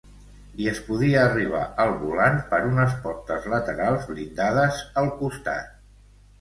I es podia arribar al volant per unes portes laterals blindades al costat.